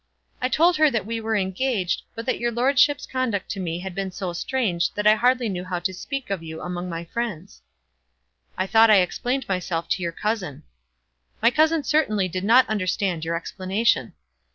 "I told her that we were engaged, but that your lordship's conduct to me had been so strange, that I hardly knew how to speak of you among my friends." "I thought I explained myself to your cousin." "My cousin certainly did not understand your explanation."